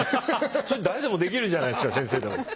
それ誰でもできるじゃないですか先生でも。